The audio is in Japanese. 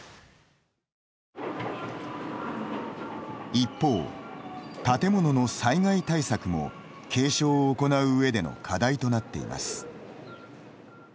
一方、建物の災害対策も継承を行う上での課題となっています。